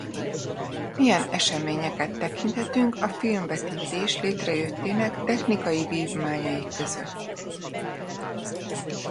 Milyen eseményeket tekinthetünk a filmvetítés létrejöttének technikai vívmányai között?